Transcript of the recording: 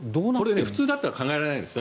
これ、普通だったら考えられないですよ。